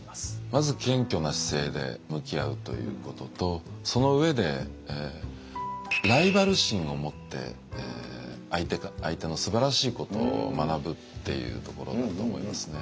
まず謙虚な姿勢で向き合うということとその上でライバル心をもって相手のすばらしいことを学ぶっていうところだと思いますね。